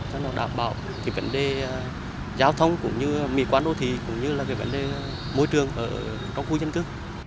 cho đảm bảo cái vấn đề giao thông cũng như mì quán đô thi cũng như là cái vấn đề môi trường ở trong khu dân cư